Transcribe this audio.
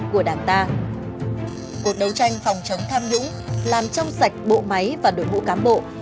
của đảng ta cuộc đấu tranh phòng chống tham nhũng làm trong sạch bộ máy và đội ngũ cán bộ